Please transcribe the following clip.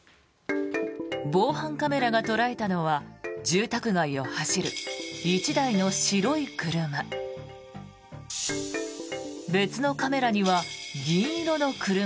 防犯カメラが捉えたのは住宅街を走る１台の白い車。